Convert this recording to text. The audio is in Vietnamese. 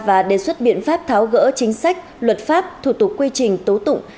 và đề xuất biện pháp tháo gỡ chính sách luật pháp thủ tục quy trình tố tụng